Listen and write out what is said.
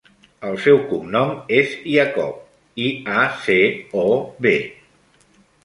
El seu cognom és Iacob: i, a, ce, o, be.